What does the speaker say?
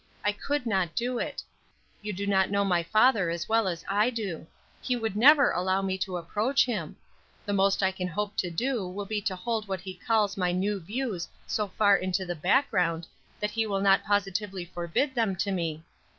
"I could not do it; you do not know my father as well as I do; he would never allow me to approach him. The most I can hope to do will be to hold what he calls my new views so far into the background that he will not positively forbid them to me.